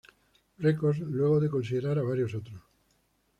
Records luego de considerar a varios otros.